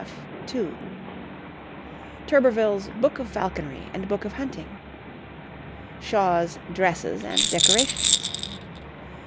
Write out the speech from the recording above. Turberville's 'Book of Falconrie' and 'Book of Hunting.' Shaw's 'Dresses and Decorations.'